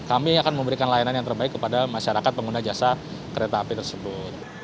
kami akan memberikan layanan yang terbaik kepada masyarakat pengguna jasa kereta api tersebut